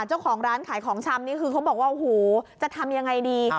เจ้าของร้านขายของชำนี่คือเขาบอกว่าโอ้โหจะทำยังไงดี